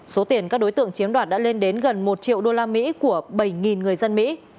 số tiền các đối tượng chiếm đoạt đã lên đến gần một triệu usd của bảy người dân mỹ